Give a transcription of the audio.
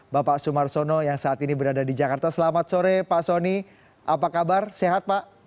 bapak sumarsono yang saat ini berada di jakarta selamat sore pak soni apa kabar sehat pak